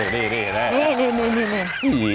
นี่